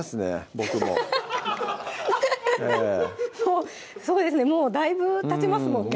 僕ももうそうですねもうだいぶたちますもんね